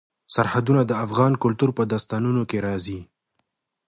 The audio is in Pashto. سرحدونه د افغان کلتور په داستانونو کې راځي.